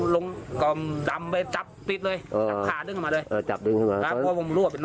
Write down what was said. แต่ก็ตกใจสุดทีเลยนะครับ